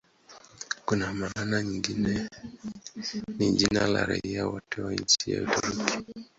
Kwa maana nyingine ni jina la raia wote wa nchi ya Uturuki.